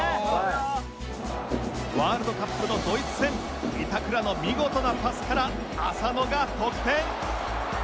ワールドカップのドイツ戦板倉の見事なパスから浅野が得点。